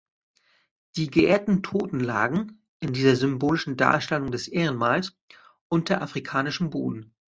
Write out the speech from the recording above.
Die geehrten Toten lagen, in dieser symbolischen Darstellung des Ehrenmals, unter afrikanischem Boden.